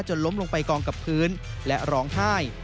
ล้มลงไปกองกับพื้นและร้องไห้